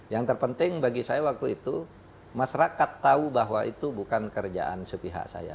yang terpenting bagi saya waktu itu masyarakat tahu bahwa itu bukan kerjaan sepihak saya